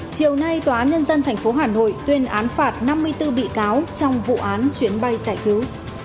chiều nay tòa án nhân dân tp hà nội tuyên án phạt năm mươi bốn bị cáo trong vụ án chuyến bay giải cứu